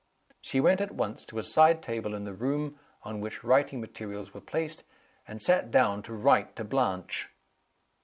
She went at once to a side table in the room, on which writing materials were placed, and sat down to write to Blanche.